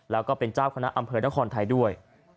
แล้วก็เป็นเจ้าคณะอำเภอนครไทยด้วย